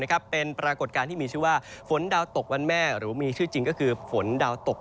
เป็นปรากฏการณ์ที่มีชื่อว่าฝนดาวตกวันแม่หรือมีชื่อจริงก็คือฝนดาวตก